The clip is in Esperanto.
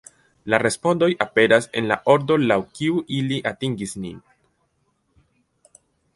La respondoj aperas en la ordo laŭ kiu ili atingis nin.